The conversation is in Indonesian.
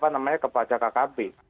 namanya kepada kkb